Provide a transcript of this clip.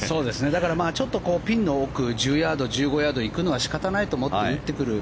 だからピンの奥１０ヤード、１５ヤード行くのは仕方ないと思って打ってくる。